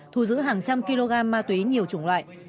thu giữ hàng trăm kg ma túy nhiều chủng loại